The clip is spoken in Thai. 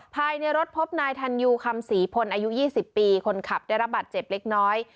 ภายในรถพบนายทันยูคำศรีพลอายุ๒๐ปีคนขับได้รับบาดเจ็บเล็กน้อย